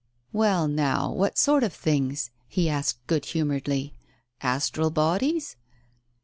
"Well, now, what sort of things?" he asked good humouredly ." Astral bodies